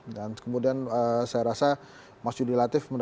dan kemudian saya rasa mas yudi latif mendapatkan